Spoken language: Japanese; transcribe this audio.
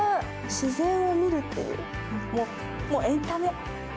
自然を見るっていう、もうエンタメ。